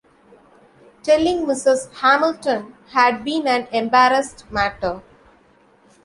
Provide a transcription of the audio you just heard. Telling Mrs. Hamilton had been an embarrassed matter.